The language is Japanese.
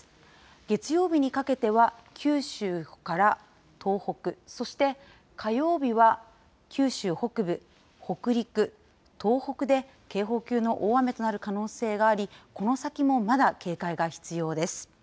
月曜日にかけては、九州から東北、そして、火曜日は、九州北部、北陸、東北で警報級の大雨となる可能性があり、この先もまだ警戒が必要です。